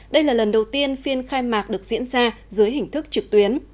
đây là lần đầu tiên phiên khai mạc được diễn ra dưới hình thức trực tuyến